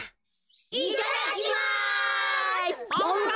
いただきます。